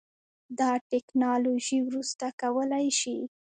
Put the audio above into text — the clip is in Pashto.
دا ټیکنالوژي وروسته کولی شي